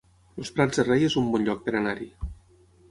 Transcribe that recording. Els Prats de Rei es un bon lloc per anar-hi